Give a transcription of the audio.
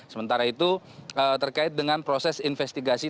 sementara itu terkait dengan proses investigasi